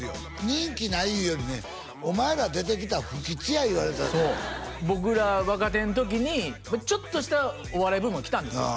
人気ないよりねお前ら出てきたら不吉や言われたそう僕ら若手ん時にちょっとしたお笑いブームがきたんですよ